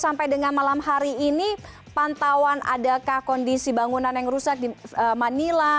sampai dengan malam hari ini pantauan adakah kondisi bangunan yang rusak di manila